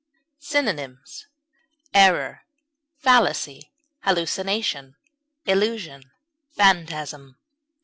Synonyms: error, fallacy, hallucination, illusion, phantasm.